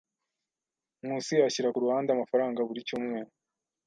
Nkusi ashyira ku ruhande amafaranga buri cyumweru.